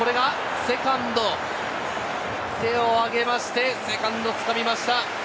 セカンド手を上げて、セカンドがつかみました。